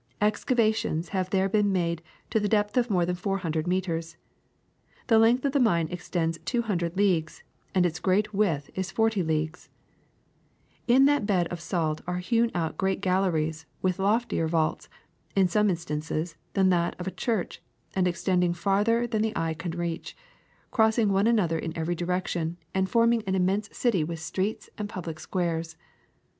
Excavations have there been made to the depth of more than four hundred meters. The length of the mine exceeds two hundred leagues, and its greatest width is forty leagues. In that bed of salt are hew^i out great galleries with loftier vaults, in some instances, than that of a church, and extending farther than the eye can reach, crossing one another in every direction, and forming 1 See "The Story Book of Science." 206 THE SECRET OF EVERYDAY THINGS an immense city with streets and public squares.